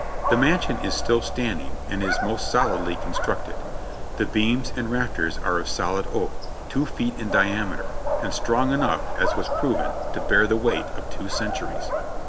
The mansion is still standing and is most solidly constructed. The beams and rafters are of solid oak, two feet in diameter, and strong enough, as was proven, to bear the weight of two centuries.